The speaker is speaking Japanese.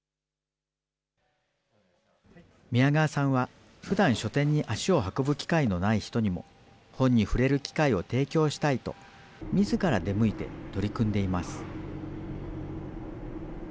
宮川さんはふだん、書店に足を運ぶ機会のない人にも、本に触れる機会を提供したいと、みずから出向いて取り組んでいます。